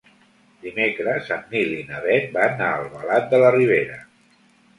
Dimecres en Nil i na Bet van a Albalat de la Ribera.